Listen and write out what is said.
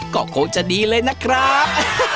ก็คงจะดีเลยนะครับ